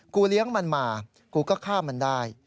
เลี้ยงมันมากูก็ฆ่ามันได้